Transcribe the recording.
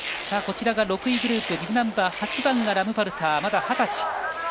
こちらが６位グループビブナンバー８番がラムパルター、まだ二十歳。